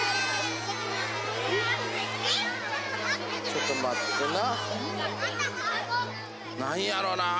ちょっと待ってな。